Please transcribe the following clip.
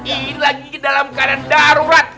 ini lagi dalam keadaan darurat